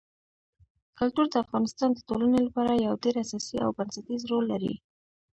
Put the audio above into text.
کلتور د افغانستان د ټولنې لپاره یو ډېر اساسي او بنسټيز رول لري.